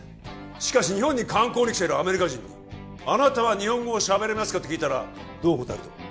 しかし日本に観光に来てるアメリカ人にあなたは日本語を喋れますかと聞いたらどう答えると思う？